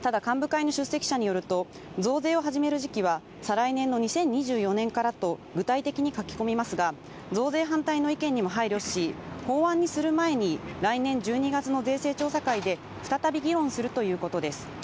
ただ、幹部会の出席者によりますと増税を始める時期は再来年の２０２４年からと具体的に書き込みますが、増税反対の意見にも配慮し、詳細な部分については来年１２月の税制調査会で再び議論するということです。